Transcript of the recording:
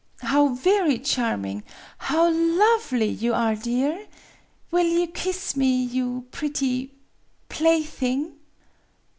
"How very charming how lovely you are, dear! Will you kiss me, you pretty plaything!